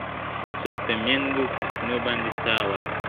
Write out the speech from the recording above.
څوک د میندو پر سینو باندي ساه ورکړي ,